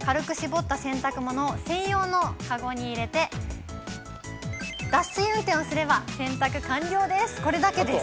軽く絞った洗濯物を専用の籠に入れて、脱水運転をすれば、洗濯完了です。